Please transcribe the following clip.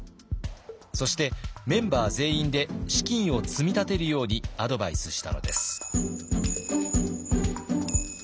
そしてメンバー全員で資金を積み立てるようにアドバイスしたのです。